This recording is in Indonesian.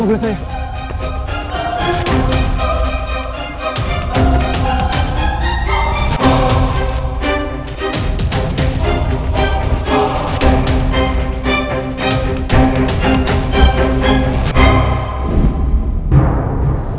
kau bisa lihat